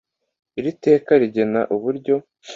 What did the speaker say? iri teka rigena uburyo